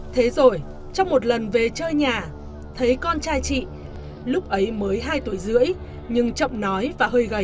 thế rồi trong một lần về chơi nhà thấy con trai chị lúc ấy mới hai tuổi rưỡi nhưng chọng nói và hơi gần